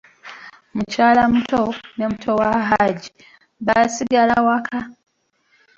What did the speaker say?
Mukyalamuto, ne muto wa Hajji baasigala waka.